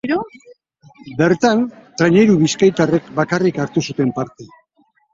Bertan traineru bizkaitarrek bakarrik hartu zuten parte.